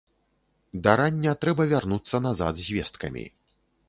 Да рання трэба вярнуцца назад з весткамі.